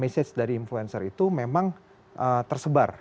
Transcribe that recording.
message dari influencer itu memang tersebar